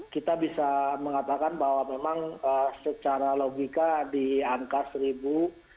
kita bisa mengatakan bahwa memang secara logika di angka seribu